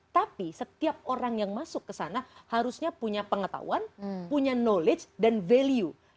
tapi setiap orang yang masuk ke sana harusnya punya pengetahuan punya knowledge dan value